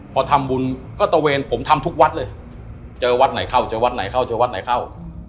พอทำบุญก็ตะเวนผมทำทุกวัดเลยเจอวัดไหนเข้าเจอวัดไหนเข้าเจอวัดไหนเข้า